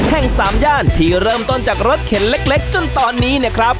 แห่งสามย่านที่เริ่มต้นจากรถเข็นเล็กจนตอนนี้เนี่ยครับ